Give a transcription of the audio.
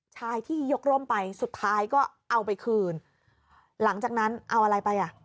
ชายที่ยกร่มไปสุดท้ายก็เอาไปคืนหลังจากนั้นเอาอะไรไปอ่ะ